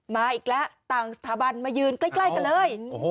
มาอีกแล้วต่างสถาบันมายืนใกล้กันเลย